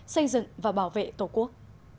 xây dựng và bảo vệ tổ quốc